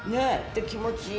で気持ちいい。